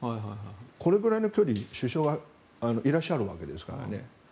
これぐらいの距離に首相がいらっしゃるわけですからね。